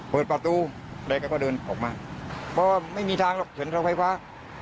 เปิดประตูแล้วก็เดินออกมาเพราะว่าไม่มีทางหรอกเข็นเสาไฟฟ้า